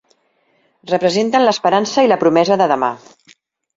Representen l'esperança i la promesa de demà.